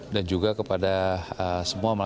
dan juga kepada semua malah